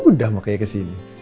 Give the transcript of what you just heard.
udah makanya kesini